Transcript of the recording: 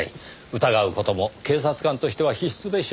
疑う事も警察官としては必須でしょう。